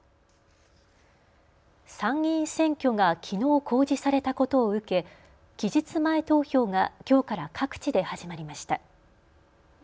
参議院選挙がきのう公示されたことを受け期日前投票がきょうから各地で始まりました。